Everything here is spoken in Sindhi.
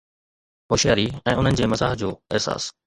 هوشياري ۽ انهن جي مزاح جو احساس